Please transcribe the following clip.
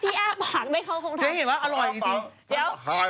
พี่แอบปากด้วยเขาคงทำเจ๊เห็นไหมอร่อยจริง